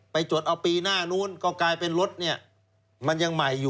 ไปจดเอาปีหน้านู้นก็กลายเป็นรถเนี่ย